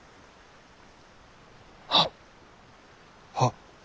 はっ。はっ。